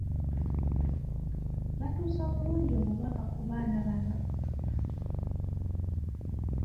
Batuusa bulungi obubaka ku baana bano.